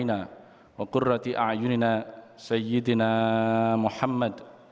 aku ingin berjumpa